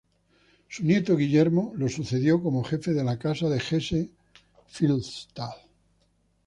Su nieto Guillermo lo sucedió como jefe de la Casa de Hesse-Philippsthal.